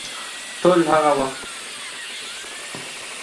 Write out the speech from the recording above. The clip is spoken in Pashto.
ټول د هغه وخت